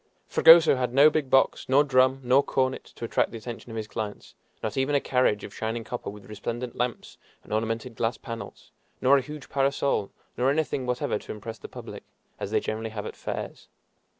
Fragoso had no big box, nor drum, nor cornet to attract the attention of his clients not even a carriage of shining copper, with resplendent lamps and ornamented glass panels, nor a huge parasol, no anything whatever to impress the public, as they generally have at fairs.